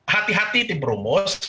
hati hati tim brumus